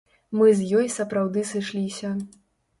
Мы з ёй сапраўды сышліся.